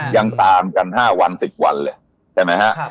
ยังตามกัน๕วัน๑๐วันเลยใช่ไหมฮะ